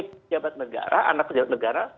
pejabat negara anak pejabat negara